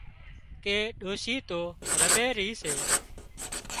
ڪي ڏوشي تو رمي رِي سي